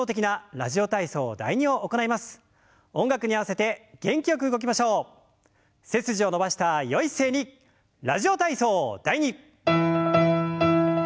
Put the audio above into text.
「ラジオ体操第２」。